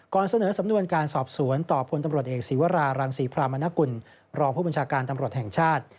เสนอสำนวนการสอบสวนต่อพลตำรวจเอกศีวรารังศรีพรามนกุลรองผู้บัญชาการตำรวจแห่งชาติ